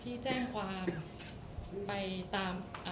ที่แจ้งความไปตาม